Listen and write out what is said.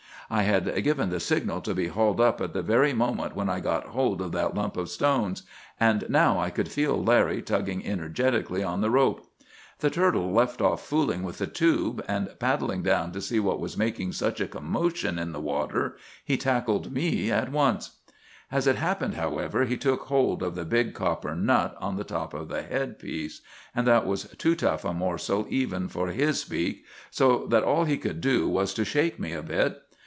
I had given the signal to be hauled up at the very moment when I got hold of that lump of stones, and now I could feel Larry tugging energetically on the rope. The turtle left off fooling with the tube, and, paddling down to see what was making such a commotion in the water, he tackled me at once. "'As it happened, however, he took hold of the big copper nut on the top of the head piece; and that was too tough a morsel even for his beak, so that all he could do was to shake me a bit.